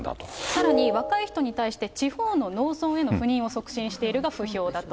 さらに若い人に対して、地方の農村への赴任を促進しているが不評だと。